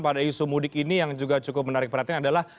pada isu mudik ini yang juga cukup menarik perhatian adalah